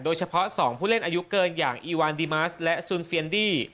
โดยเฉพาะ๒ผู้เล่นอายุเกินอย่างอีวานดีมัสและซูนเฟียนดี้